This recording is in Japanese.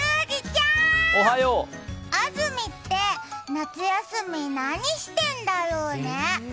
ちゃーん、あずみって夏休み、何してんだろうね？